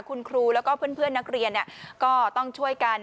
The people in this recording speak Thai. คุณครูแล้วก็เพื่อนนักเรียนก็ต้องช่วยกัน